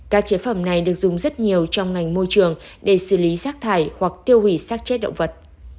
các chế phẩm này được dùng rất nhiều trong ngành môi trường để xử lý rác thải hoặc tiêu hủy sát chết động vật